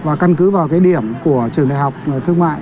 và căn cứ vào cái điểm của trường đại học thương mại